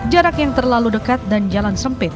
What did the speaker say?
jarak yang terlalu dekat dan jalan sempit